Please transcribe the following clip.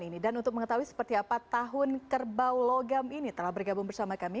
ini dan untuk mengetahui seperti apa tahun kerbau logam ini telah bergabung bersama kami